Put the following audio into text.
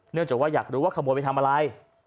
จากว่าอยากรู้ว่าขโมยไปทำอะไร